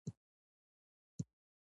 د چک ډیمونو جوړول اوبه ساتي